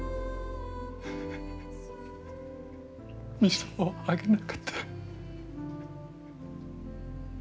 水をあげなかった。